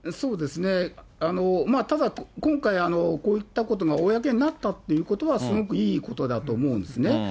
ただ、今回、こういったことが公になったということは、すごくいいことだと思うんですね。